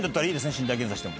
身体検査しても。